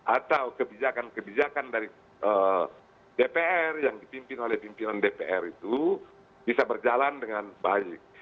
atau kebijakan kebijakan dari dpr yang dipimpin oleh pimpinan dpr itu bisa berjalan dengan baik